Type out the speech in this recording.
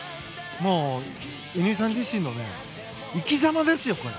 もう乾さん自身の生きざまですよ。